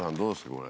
これ。